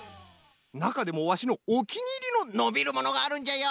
なかでもわしのおきにいりののびるものがあるんじゃよ。